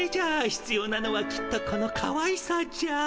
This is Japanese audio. ひつようなのはきっとこのかわいさじゃ。